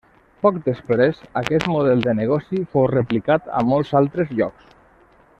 Poc després aquest model de negoci fou replicat a molts altres llocs.